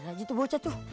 lagi tuh bocet tuh